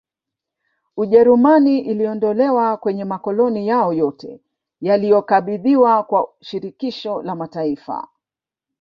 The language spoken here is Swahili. Ujerumani iliondolewa kwenye makoloni yao yote yaliyokabidhiwa kwa shirikisho la mataifa